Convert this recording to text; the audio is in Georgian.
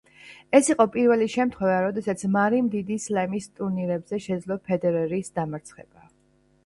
ეს იყო პირველი შემთხვევა, როდესაც მარიმ დიდი სლემის ტურნირებზე შეძლო ფედერერის დამარცხება.